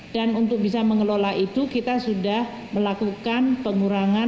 dan untuk bisa mengelola itu kita sudah melakukan pengurangan